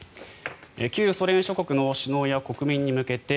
旧ソ連諸国の首脳や国民に向けて